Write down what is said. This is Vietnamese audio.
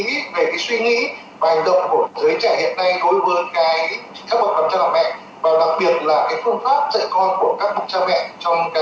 cần phải suy nghĩ về cái suy nghĩ và hành động